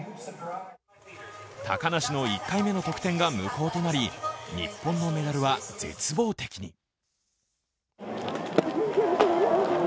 高梨の１回目の得点が無効となり日本のメダルは絶望的に。